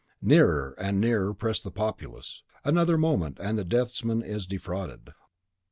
Nearer and nearer press the populace, another moment, and the deathsman is defrauded.